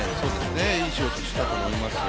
いい仕事したと思いますよ。